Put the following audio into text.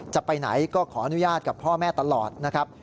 จะไปไหนก็ขออนุญาตกับพ่อแม่ตลอดนะครับ